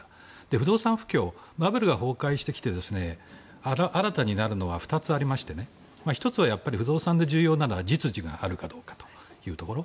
不動産不況、バブルが崩壊してきて新たになるのは２つありまして１つは、不動産で重要なのは実需があるかどうかというところ。